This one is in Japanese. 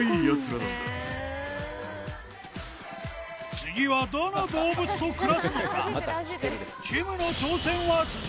次はどの動物と暮らすのか？